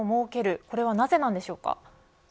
これはなぜなんでしょうか。